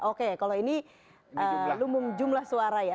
oke kalau ini lumum jumlah suara ya